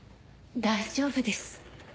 大丈夫です。